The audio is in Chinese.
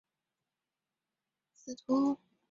高获师事司徒欧阳歙。